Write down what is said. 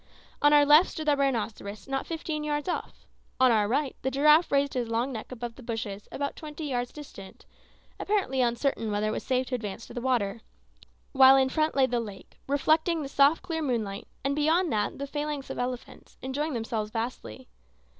On our left stood the rhinoceros, not fifteen yards off; on our right the giraffe raised his long neck above the bushes, about twenty yards distant, apparently uncertain whether it was safe to advance to the water; while in front lay the lake, reflecting the soft, clear moonlight, and beyond that the phalanx of elephants, enjoying themselves vastly.